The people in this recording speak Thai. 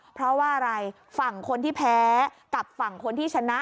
เพราะว่าอะไรฝั่งคนที่แพ้กับฝั่งคนที่ชนะ